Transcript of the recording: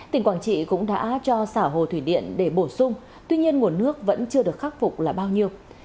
tỉnh quảng trị cũng đã cho xả hồ thủy điện để bổ sung tuy nhiên nguồn nước vẫn chưa được khắc phục là bao nhiêu